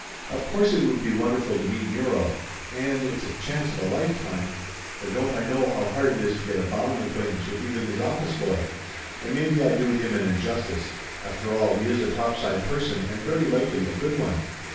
Of course it would be wonderful to meet Muro, and 108 Laughter Limited it's the chance of a lifetime, for don't I know how hard it is to get a bowing acquaintance with even his office boy! And maybe I do him an injustice. After all, he is a topside person, and very likely a good one."